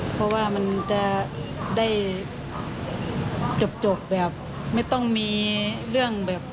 เพราะว่ามันจะได้จบแบบไม่ต้องมีเรื่องแบบ